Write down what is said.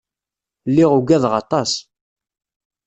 Lliɣ uggadeɣ aṭas.